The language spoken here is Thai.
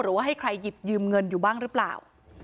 ว่าให้ใครหยิบยืมเงินอยู่บ้างหรือเปล่า